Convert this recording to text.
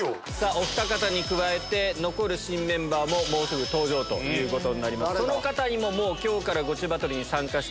おふた方に加えて残る新メンバーももうすぐ登場ということに。